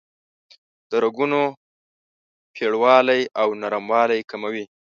د رګونو پیړوالی او نرموالی کموي.